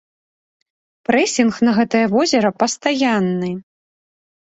Прэсінг на гэтае возера пастаянны.